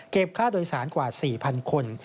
เก็บค่าโดยสารกว่า๔๐๐๐คน